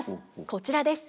こちらです。